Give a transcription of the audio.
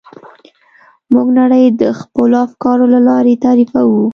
موږ نړۍ د خپلو افکارو له لارې تعریفوو.